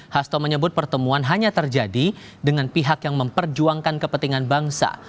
hasto menyebut pertemuan hanya terjadi dengan pihak yang memperjuangkan kepentingan bangsa